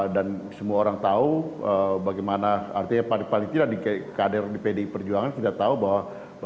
dan semua orang tahu bagaimana artinya paling paling tidak di pdi perjuangan kita tahu bahwa